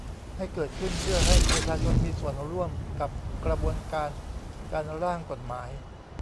ให้เกิดขึ้นเพื่อให้ประชาชนมีส่วนร่วมกับกระบวนการการร่างกฎหมาย